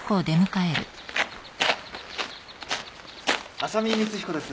浅見光彦です。